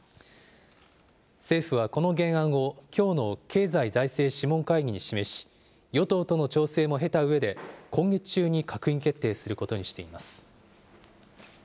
政府はこの原案を、きょうの経済財政諮問会議に示し、与党との調整も経たうえで、今月中に閣議決定することにしています。